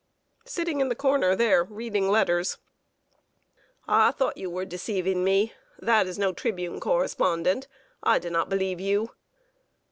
"Sitting in the corner there, reading letters." "I thought you were deceiving me. That is no Tribune correspondent. I do not believe you."